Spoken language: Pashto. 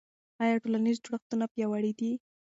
آیا ټولنیز جوړښتونه پیاوړي دي؟